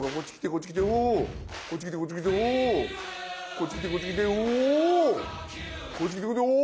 こっち来てこっち来てうお。